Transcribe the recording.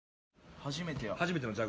初めてや。